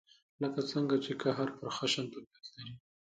لکه څنګه چې قهر پر خشن طبعیت لري.